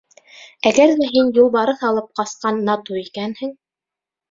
— Әгәр ҙә һин юлбарыҫ алып ҡасҡан Нату икәнһең...